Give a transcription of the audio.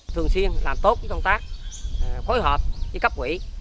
thường xuyên làm tốt công tác phối hợp với cấp quỹ